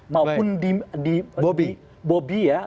maupun di bobby